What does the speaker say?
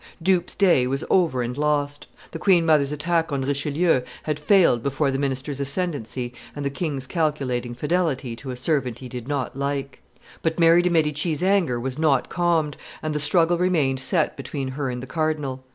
Dupes' Day was over and lost. The queen mother's attack on Richelieu had failed before the minister's ascendency and the king's calculating fidelity to a servant he did not like; but Mary de' Medici's anger was not calmed, and the struggle remained set between her and the cardinal.